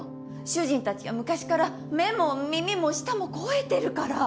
主人たちは昔から目も耳も舌も肥えてるから。